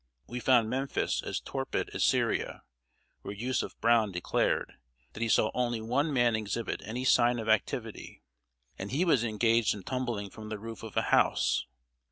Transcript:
We found Memphis as torpid as Syria, where Yusef Browne declared that he saw only one man exhibit any sign of activity, and he was engaged in tumbling from the roof of a house!